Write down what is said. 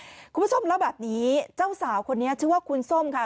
ใครหลายคนนะคะคุณผู้ชมแล้วแบบนี้เจ้าสาวคนนี้ชื่อว่าคุณส้มค่ะ